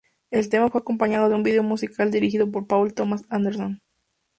El tema fue acompañado de un video musical dirigido por Paul Thomas Anderson.